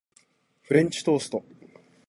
フレンチトースト